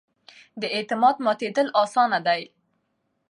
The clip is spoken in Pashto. د اعتماد ماتېدل اسانه دي